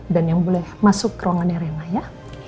dan yang boleh masuk ke ruangannya reina ya